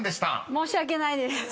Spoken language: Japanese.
申し訳ないです。